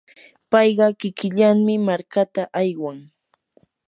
payqa kikillanmi markata aywan.